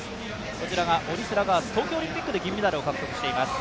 こちらがオリスラガース、東京オリンピックで銀メダルを獲得しています。